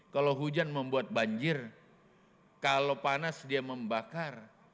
kalau hujan membuat banjir kalau panas dia membakar